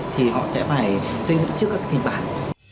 thì họ sẽ phải xây dựng trước các cái kết bản